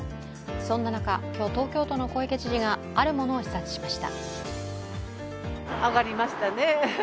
そんな中、今日、東京都の小池都知事があるものを視察しました。